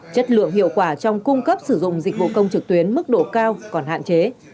chất lượng hiệu quả trong cung cấp sử dụng dịch vụ công trực tuyến mức độ cao còn hạn chế